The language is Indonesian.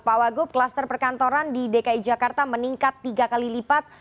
pak wagub kluster perkantoran di dki jakarta meningkat tiga kali lipat